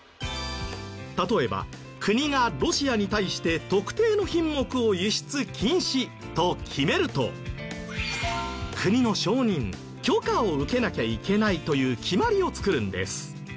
例えば国がロシアに対して特定の品目を輸出禁止と決めると国の承認許可を受けなきゃいけないという決まりを作るんです。